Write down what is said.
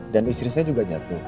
dan istrinya juga jatuh